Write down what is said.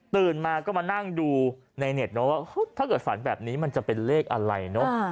มาก็มานั่งดูในเน็ตเนอะว่าถ้าเกิดฝันแบบนี้มันจะเป็นเลขอะไรเนอะ